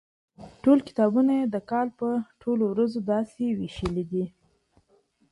چي ټول کتابونه يي د کال په ټولو ورځو داسي ويشلي دي